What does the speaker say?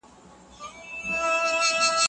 هغه شاګرد چي زیار باسي کامیابېږي.